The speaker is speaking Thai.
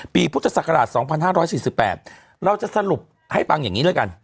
ปีพุทธศักราชสองพันห้าร้อยสิบสิบแปดเราจะสรุปให้ฟังอย่างงี้ด้วยกัน